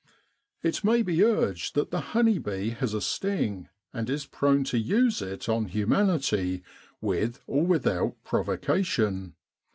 It may be urged that the honey bee has a sting, and is prone to use it on humanity with or without provocation.